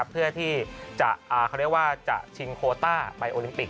เพื่อที่จะชิงโควต้าไปโอลิมปิก